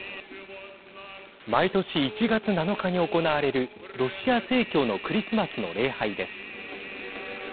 毎年１月７日に行われるロシア正教のクリスマスの礼拝です。